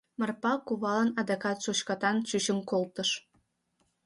Марпа кувалан адакат шучкатан чучын колтыш.